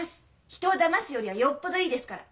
人をだますよりはよっぽどいいですから。